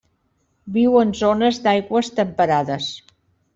Viu en zones d'aigües temperades.